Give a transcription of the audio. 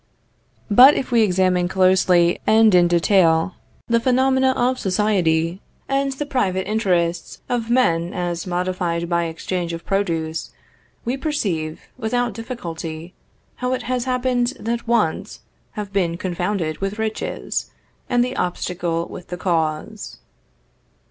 But if we examine closely and in detail the phenomena of society, and the private interests of men as modified by exchange of produce, we perceive, without difficulty, how it has happened that wants have been confounded with riches, and the obstacle with the cause.